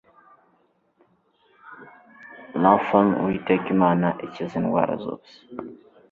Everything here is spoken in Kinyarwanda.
RAPHAUWITEKA IMANA IKIZA INDWARA ZOSE